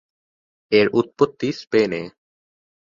এর উৎপত্তি স্পেনে।